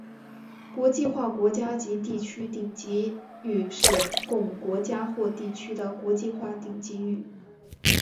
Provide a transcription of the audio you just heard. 国际化国家及地区顶级域是供国家或地区的国际化顶级域。